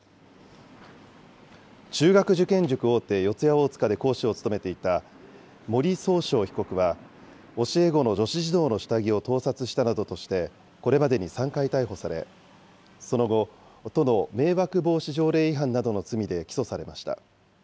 中学受験塾大手、四谷大塚で講師を務めていた森崇翔被告は、教え子の女子児童の下着を盗撮したなどとして、これまでに３回逮捕され、その後、都の迷惑防止条例違反などの罪で起訴されました。